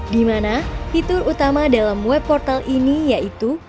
di mana fitur utama dalam web portal ini yaitu